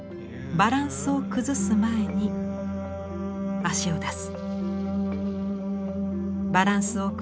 バランスを崩す前に足を出す。